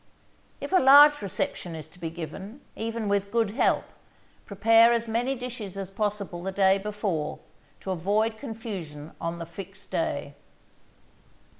If a large reception is to be given, even with good help, prepare as many dishes as possible the day before, to avoid confusion on the fixed day.